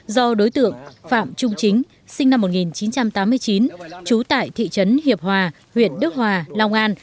do đối tượng phạm trung chính sinh năm một nghìn chín trăm tám mươi chín trú tại thị trấn hiệp hòa huyện đức hòa long an